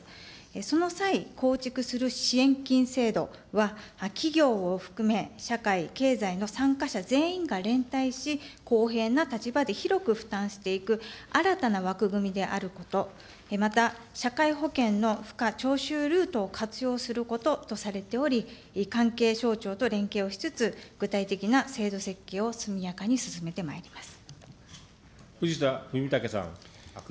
その際、構築する支援金制度は、企業を含め、社会、経済の参加者全員が連帯し、公平な立場で広く負担していく新たな枠組みであること、また、社会保険のふか徴収ルートを活用することとされており、関係省庁と連携をしつつ、具体的な制度設計を速やかに進めてまいります。